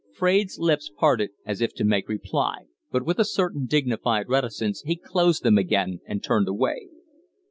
Fraide's lips parted as if to make reply, but with a certain dignified reticence he closed them again and turned away.